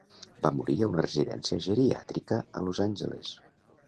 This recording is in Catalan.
Va morir a una residència geriàtrica a Los Angeles.